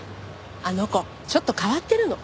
あの子ちょっと変わってるの。